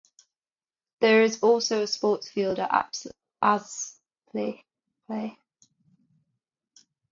There is also a sports field at Aspley.